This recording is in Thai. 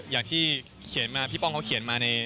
อย่างที่เขียนมาพี่ป้องเขาเขียนมาใน